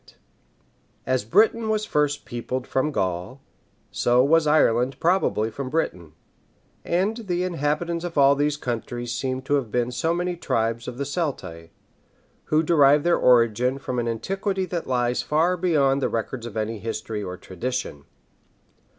} As Britain was first peopled from Gaul, so was Ireland probably from Britain; and the inhabitants of all these countries seem to have been so many tribes of the Celtae, who derive their origin from an antiquity that lies far beyond the records of any history or tradition.